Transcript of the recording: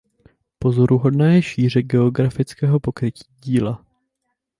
Pozoruhodná je šíře geografického pokrytí díla.